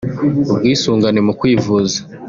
ubwisungane mu kwivuza